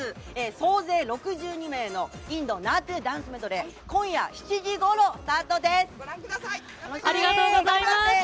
総勢６２名のインド・ナートゥダンスメドレー、今夜７時ごろ、ご覧ください。